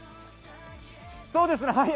そうですね。